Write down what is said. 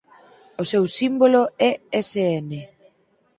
O seu símbolo é Sn.